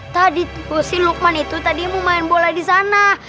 tadi pusin lukman itu tadi mau main bola di sana